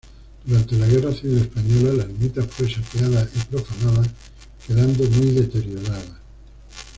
Durante la Guerra Civil Española la ermita fue saqueada y profanada, quedando muy deteriorada.